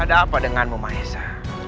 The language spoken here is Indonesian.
ada apa denganmu maesa